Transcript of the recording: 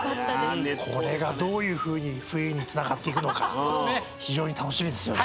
これがどういうふうに冬につながっていくのか非常に楽しみですよね。